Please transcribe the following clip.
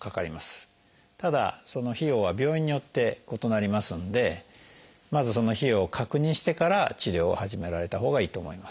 ただその費用は病院によって異なりますのでまずその費用を確認してから治療を始められたほうがいいと思います。